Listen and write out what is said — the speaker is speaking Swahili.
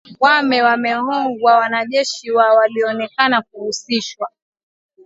wame wamehogwa wanajeshi wa walionekana kuhusishwa